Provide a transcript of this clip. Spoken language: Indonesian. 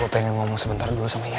gue pengen ngomong sebentar dulu sama ian